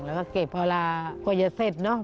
แล้วก็เก็บเวลากว่าจะเสร็จเนอะ